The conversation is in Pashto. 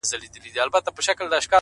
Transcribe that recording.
د څڼور تصوير چي په لاسونو کي دی’